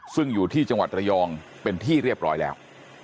ซึ่งอยู่ที่จังหวัดระยองเป็นที่เรียบร้อยแล้ว